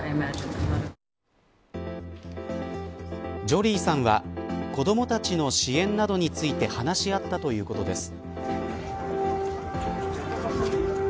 ジョリーさんは子どもたちの支援などについて話し合ったということです。